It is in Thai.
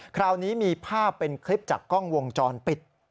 คราวนี้มีภาพเป็นคลิปจากกล้องวงจรปิด